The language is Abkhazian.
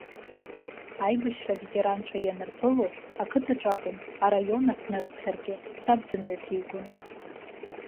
Аибашьра аветеранцәа ианырԥыло, ақыҭаҿы акәым, араион ахь днарыԥхьаргьы, саб дымҩаԥигон.